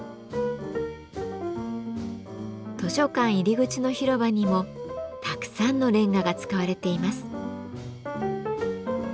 図書館入り口の広場にもたくさんのレンガが使われています。